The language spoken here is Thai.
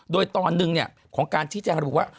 โดยตอนหนึ่งของการชี้แจงระบุว่า